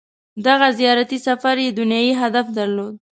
• دغه زیارتي سفر یې دنیايي هدف درلود.